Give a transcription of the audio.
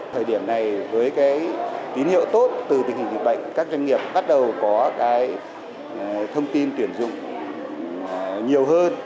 thời điểm này với tín hiệu tốt từ tình hình dịch bệnh các doanh nghiệp bắt đầu có thông tin tuyển dụng nhiều hơn